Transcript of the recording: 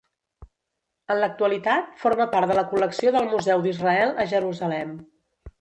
En l'actualitat, forma part de la col·lecció del Museu d'Israel, a Jerusalem.